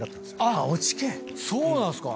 そうなんすか！